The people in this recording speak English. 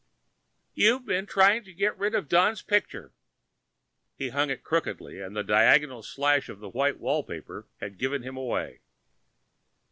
"You've been trying to get rid of Don's picture!" He'd hung it crookedly, and a diagonal slash of white wallpaper had given him away.